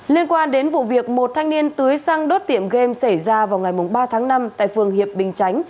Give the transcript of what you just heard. liên quan đến vụ việc một thanh niên tưới sang đốt tiệm game xảy ra vào ngày ba tháng năm tại phường hiệp bình chánh